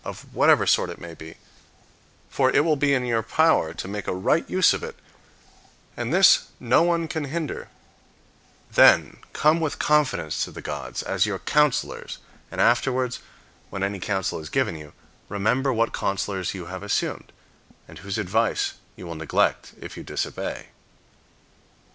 of whatever sort it may be, for it will be in your power to make a right use of it, and this no one can hinder; then come with confidence to the gods, as your counselors, and afterwards, when any counsel is given you, remember what counselors you have assumed, and whose advice you will neglect if you disobey.